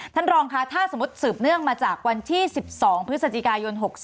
ท่านรองค่ะถ้าสมมุติสืบเนื่องมาจากวันที่๑๒พฤศจิกายน๖๒